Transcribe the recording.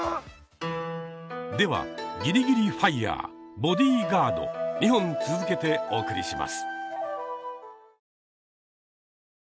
では「ギリギリＦＩＲＥ」「ボディーガード」２本続けてお送りします。